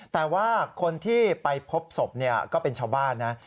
แต่ว่าคนที่ไปพบศพก็เป็นชาวบ้านนะ